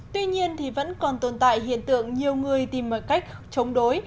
tuy nhiên vẫn còn tồn tại hiện tượng nhiều người tìm mọi cách chống đối